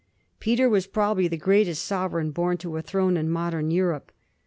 Peter was probably the greatest sovereign bom to a throne in modem Europe.